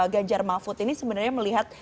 ganjar mahfud ini sebenarnya melihat